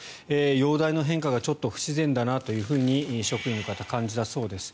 容体の変化がちょっと不自然だなというふうに職員の方、感じたそうです。